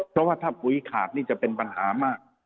เพราะว่าถ้าปุ๋ยขาดนี่จะเป็นปัญหามาก